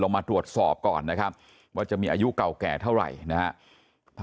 มาตรวจสอบก่อนนะครับว่าจะมีอายุเก่าแก่เท่าไหร่นะฮะ